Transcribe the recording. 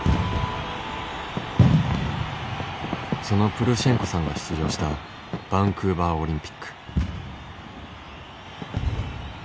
そのプルシェンコさんが出場したバンクーバーオリンピック。